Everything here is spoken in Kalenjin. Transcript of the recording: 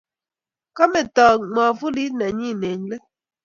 Koo meto mwavulit nenyi eng let